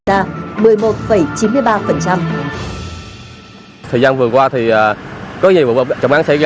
thời gian vừa qua thì có nhiều vụ phạm tội